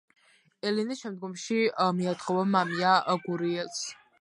ელენე შემდგომში მიათხოვა მამია გურიელს.